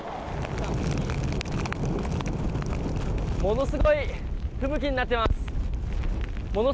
ものすごい吹雪になっています。